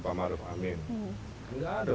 pak maruf amin nggak ada